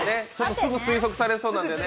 すぐ推測されそうなんですね。